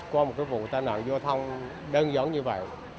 qua một vụ tai nạn vô thông đơn giản như vậy